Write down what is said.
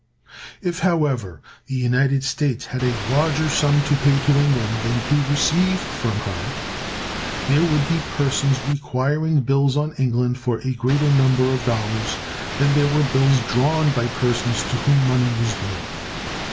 If, however, the United States had a larger sum to pay to England than to receive from her, there would be persons requiring bills on England for a greater number of dollars than there were bills drawn by persons to whom money was due.